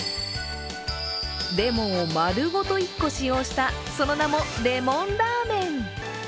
レモンを丸ごと１個使用した、その名もレモンラーメン。